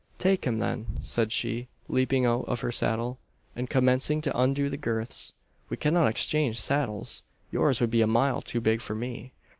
"Take him, then!" said she, leaping out of her saddle, and commencing to undo the girths, "We cannot exchange saddles: yours would be a mile too big for me!"